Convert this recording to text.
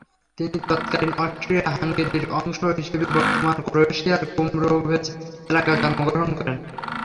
তিনি তৎকালীন অস্ট্রিয়া-হাঙ্গেরির অংশ হিসেবে বর্তমান ক্রোয়েশিয়ার কুমরোভেচ এলাকায় জন্মগ্রহণ করেন।